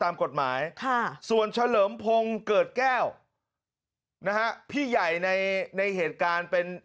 ไม่สายก็ร้อน